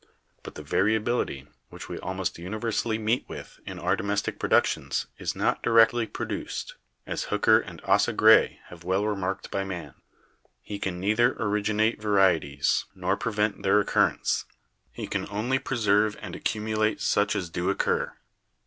But the variability, which we almost universally meet with in our domestic produc tions, is not directly produced, as Hooker and Asa Gray have well remarked by man; he can neither originate varieties nor prevent their occurrence ; he can only pre serve and accumulate such as do occur.